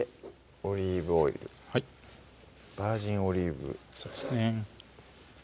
オリーブオイルはいバージンオリーブ油そうですね